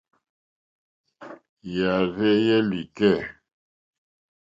Yààrzéyɛ́ lìkɛ̂.